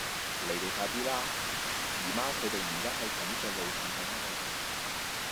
你哋快啲啦!姨媽佢哋而家喺錦上路站等緊你哋